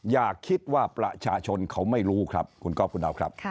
อย่าคิดว่าประชาชนเขาไม่รู้ครับคุณก๊อฟคุณดาวครับ